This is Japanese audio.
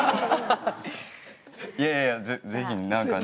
いやいや是非何かね。